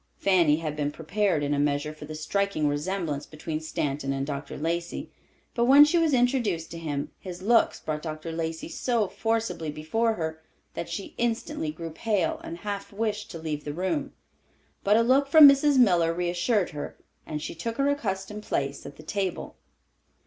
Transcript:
Fanny had been prepared in a measure for the striking resemblance between Stanton and Dr. Lacey; but when she was introduced to him, his looks brought Dr. Lacey so forcibly before her that she instantly grew pale and half wished to leave the room. But a look from Mrs. Miller reassured her, and she took her accustomed place at the table.